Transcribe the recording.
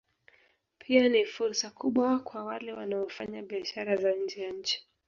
Pia ni fursa kubwa kwa wale wanaofanya biashara za nje ya nchi